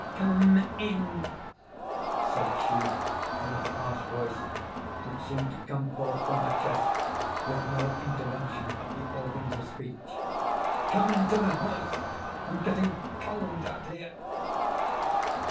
"Come in!" said she in a harsh voice, which seemed to come forth from her chest with no intervention of the organs of speech. "Come into the house. I'm getting cold out here."